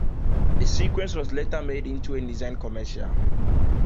The sequence was later made into a Nissan commercial.